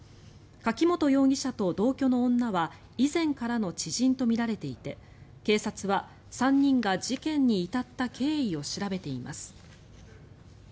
柿本容疑者と同居の女は以前からの知人とみられていて警察は３人が事件に至った経緯を調べています。